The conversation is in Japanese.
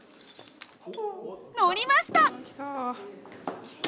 のりました！